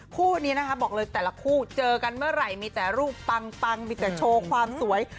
คู่นี้นะคะบอกเลยแต่ละคู่เจอกันเมื่อไหร่มีแต่รูปปังมีแต่โชว์ความสวย